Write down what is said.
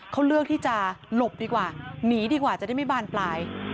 เขาเลือกที่จะหลบดีกว่าหนีดีกว่าจะได้ไม่บานปลาย